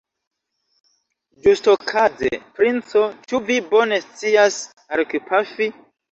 Ĝustokaze, princo, ĉu vi bone scias arkpafi?